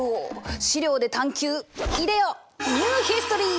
資料で探求いでよニューヒストリー！